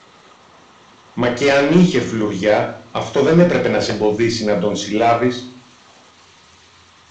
Μα και αν είχε φλουριά, αυτό δεν έπρεπε να σ' εμποδίσει να τον συλλάβεις.